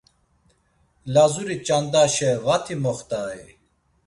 Lazuri ç̌andaşe vati moxtai?